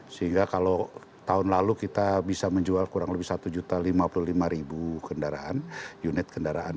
sehingga kalau tahun lalu kita bisa menjual kurang lebih satu lima puluh lima kendaraan unit kendaraan